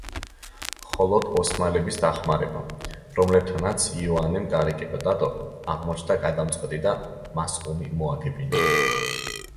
მხოლოდ ოსმალების დახმარება, რომლებთანაც იოანემ გარიგება დადო, აღმოჩნდა გადამწყვეტი და მას ომი მოაგებინა.